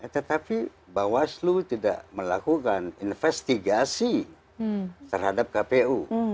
tetapi bawaslu tidak melakukan investigasi terhadap kpu